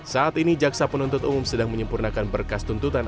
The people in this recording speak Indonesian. saat ini jaksa penuntut umum sedang menyempurnakan berkas tuntutan